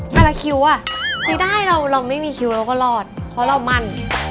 ละคิวอ่ะไม่ได้เราไม่มีคิวเราก็รอดเพราะเรามั่น